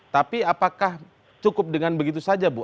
tapi apakah cukup dengan begitu saja bu